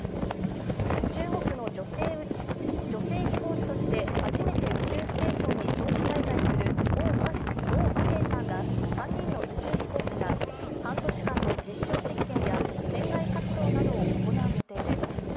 中国の女性飛行士として初めて宇宙ステーションに長期滞在する王亜平さんら３人の宇宙飛行士が半年間の実証実験や船外活動などを行う予定です。